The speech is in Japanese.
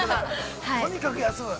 とにかく休む。